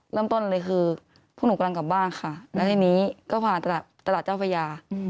เริ่มต้นเลยคือพวกหนูกำลังกลับบ้านค่ะแล้วทีนี้ก็ผ่านตลาดเจ้าพระยา